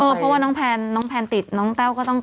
เพราะว่าน้องแพนติดน้องแต้วก็ต้องกัก